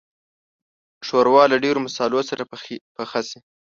ښوروا له ډېرو مصالحو سره پخه شي.